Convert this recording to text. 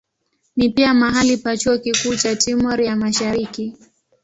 Ni pia mahali pa chuo kikuu cha Timor ya Mashariki.